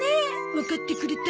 わかってくれた？